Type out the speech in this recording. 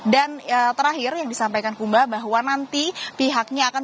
dan terakhir yang disampaikan kumba bahwa nanti pihaknya akan